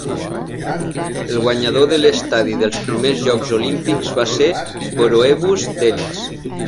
El guanyador de l""estadi" dels primers Jocs Olímpics va ser Coroebus d"Elis.